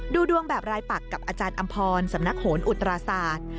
ดูดวงแบบรายปักกับอาจารย์อำพรสำนักโหนอุตราศาสตร์